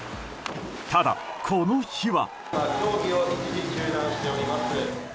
ただ、この日は。